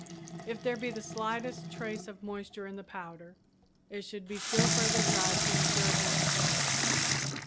If there be the slightest trace of moisture in the powder, it should be still further dried to insure against mold.